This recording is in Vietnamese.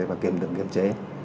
và kiềm được nghiêm chế